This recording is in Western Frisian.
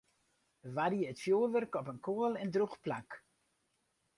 Bewarje it fjurwurk op in koel en drûch plak.